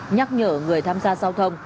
nhắc nhở người tham gia giao thông